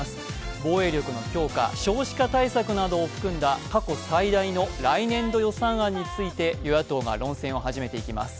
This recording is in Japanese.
防衛力の強化、少子化対策などを含んだ過去最大の来年度予算案について与野党が論戦を始めていきます。